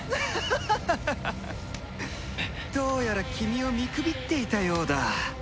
どうやら君を見くびっていたようだ。